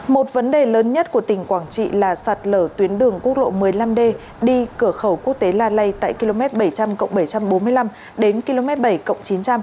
một vấn đề lớn nhất của tỉnh quảng trị là sạt lở tuyến đường quốc lộ một mươi năm d đi cửa khẩu quốc tế la lây tại km bảy trăm linh bảy trăm bốn mươi năm đến km bảy chín trăm linh